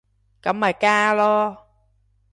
咁咪加囉